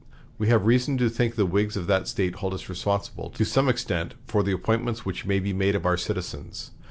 We have reason to think the Whigs of that State hold us responsible, to some extent, for the appointments which may be made of our citizens.